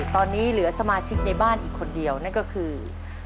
ตอนนี้เหลือสมาชิกในบ้านอีกคนเดียวนั่นก็คือ